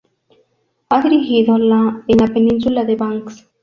Ha dirigido la en la península de Banks.